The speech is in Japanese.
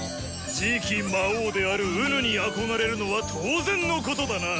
次期魔王である己に憧れるのは当然のことだな！